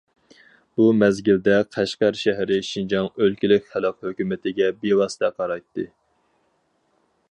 بۇ مەزگىلدە قەشقەر شەھىرى شىنجاڭ ئۆلكىلىك خەلق ھۆكۈمىتىگە بىۋاسىتە قارايتتى.